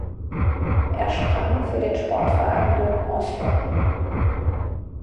Er sprang für den Sportverein Lyn Oslo.